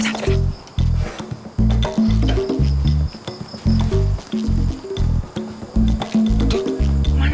kemana dia larinya